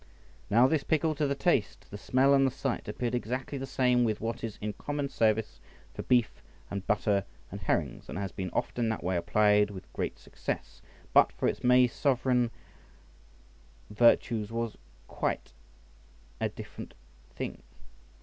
Now this pickle to the taste, the smell, and the sight, appeared exactly the same with what is in common service for beef, and butter, and herrings (and has been often that way applied with great success), but for its many sovereign virtues was quite a different thing.